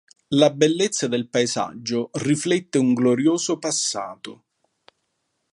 La bellezza del paesaggio riflette un glorioso passato.